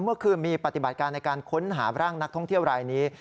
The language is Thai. เมื่อคืนมีปฏิบัติการในการค้นหาร่างนักท่องเที่ยวรายนี้